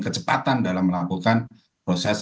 kecepatan dalam melakukan proses